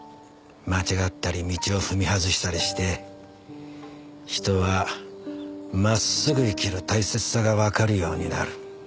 間違ったり道を踏み外したりして人はまっすぐ生きる大切さがわかるようになる。